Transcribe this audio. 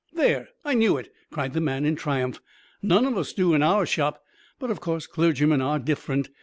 "There! I knew it," cried the man in triumph. "None of us do in our shop; but, of course, clergymen are different.